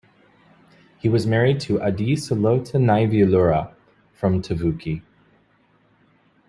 He was married to Adi Salote Naivalurua from Tavuki.